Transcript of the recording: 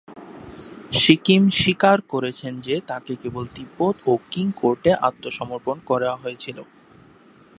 সিকিম স্বীকার করেছেন যে তাঁকে কেবল তিব্বত ও কিং কোর্টে আত্মসমর্পণ করা হয়েছিল।